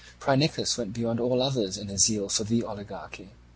Phrynichus also went beyond all others in his zeal for the oligarchy.